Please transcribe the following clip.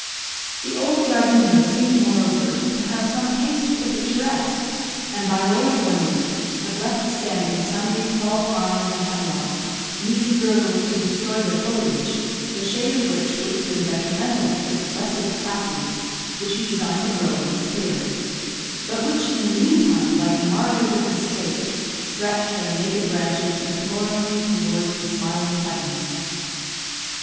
The "ould dhragoon" seemed, moreover, to have some taste for the picturesque, and by way of ornament, had left standing sundry tall pines and hemlocks neatly girdled to destroy their foliage, the shade of which would have been detrimental to the "blessed praties" which he designed to grow in his clearing, but which, in the meantime, like martyrs at the stake, stretched their naked branches imploringly towards the smiling heavens.